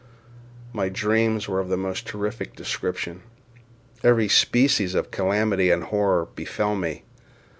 My dreams were of the most terrific description. Every species of calamity and horror befell me.